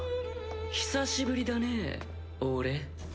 久しぶりだね俺。